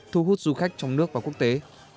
thu hút du khách trong nước và quốc tế